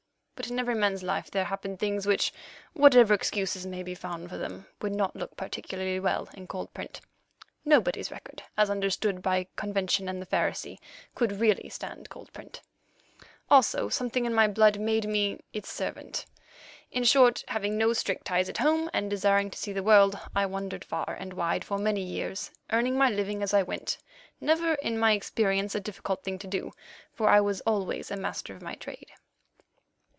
But in every man's life there happen things which, whatever excuses may be found for them, would not look particularly well in cold print (nobody's record, as understood by convention and the Pharisee, could really stand cold print); also something in my blood made me its servant. In short, having no strict ties at home, and desiring to see the world, I wandered far and wide for many years, earning my living as I went, never, in my experience, a difficult thing to do, for I was always a master of my trade.